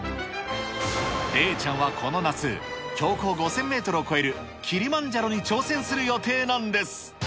嶺ちゃんはこの夏、標高５０００メートルを超えるキリマンジャロに挑戦する予定なんです。